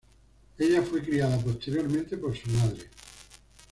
Ella fue criada posteriormente por su madre.